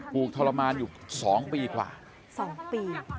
ปลูกทรมานอยู่สองปีกว่าสองปี